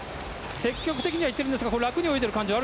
積極的にはいってるんですが楽に泳いでいる感じは？